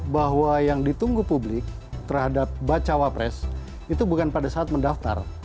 bahwa yang ditunggu publik terhadap bacawa pres itu bukan pada saat mendaftar